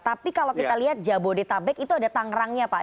tapi kalau kita lihat jabodetabek itu ada tangerangnya pak